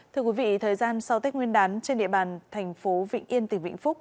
thưa quý vị thời gian sau tết nguyên đán trên địa bàn tp vịnh yên tp vịnh phúc